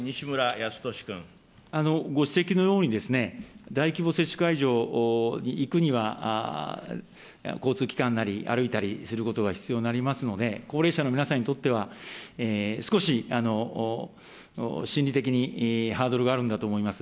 ご指摘のように、大規模接種会場に行くには交通機関なり、歩いたりすることが必要になりますので、高齢者の皆さんにとっては、少し心理的にハードルがあるんだと思います。